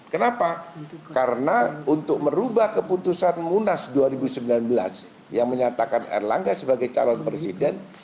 kenapa karena untuk merubah keputusan munas dua ribu sembilan belas yang menyatakan erlangga sebagai calon presiden